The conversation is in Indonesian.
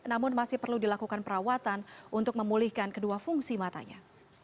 namun masih perlu dilakukan perawatan untuk memulihkan kedua fungsi matanya